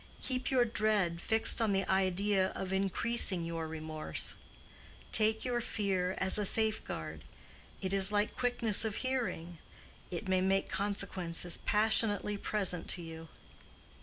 Keep your dread fixed on the idea of increasing your remorse. Take your fear as a safeguard. It is like quickness of hearing. It may make consequences passionately present to you."